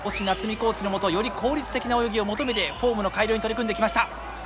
コーチのもとより効率的な泳ぎを求めてフォームの改良に取り組んできました。